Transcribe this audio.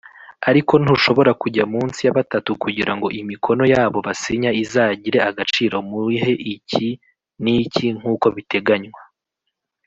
ariko ntushobora kujya munsi ya batatu kugira ngo imikono yabo basinya izagire agaciro muhe iki niki nkuko biteganywa.